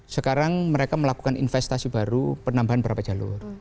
sekarang mereka melakukan investasi baru penambahan berapa jalur